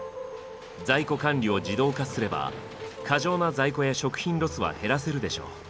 在庫管理を自動化すれば過剰な在庫や食品ロスは減らせるでしょう。